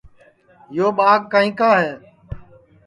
یو ٻاگ کائیں کا ہے